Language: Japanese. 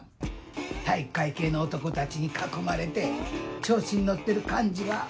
体育会系の男たちに囲まれて調子に乗ってる感じが。